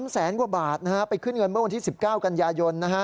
แสนกว่าบาทไปขึ้นเงินเมื่อวันที่๑๙กันยายน